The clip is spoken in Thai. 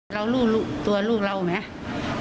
เรารู้ตัวลูกเราไหม